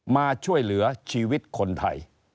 มาช่วยเหลือชีวิตคนไทย